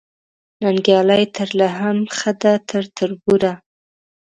ننګیالۍ ترله هم ښه ده تر تربوره